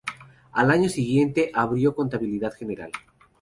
Al año siguiente abrió Contabilidad General.